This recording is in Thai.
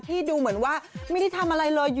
ดูเหมือนว่าไม่ได้ทำอะไรเลย